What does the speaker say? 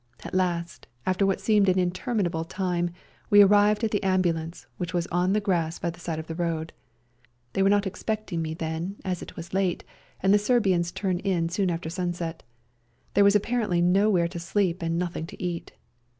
At last, after what seemed an interminable time, we arrived at the ambulance, which was on the grass by the side of the road. They were not expecting me then as it was late, and the Serbians turn in soon after sun set. There was apparently nowhere to sleep and nothing to eat.